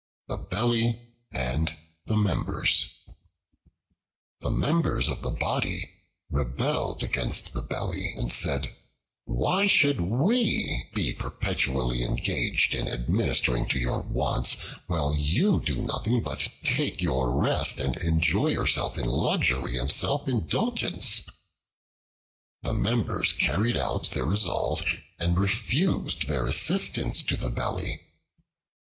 The Belly and the Members THE MEMBERS of the Body rebelled against the Belly, and said, "Why should we be perpetually engaged in administering to your wants, while you do nothing but take your rest, and enjoy yourself in luxury and self indulgence?" The Members carried out their resolve and refused their assistance to the Belly.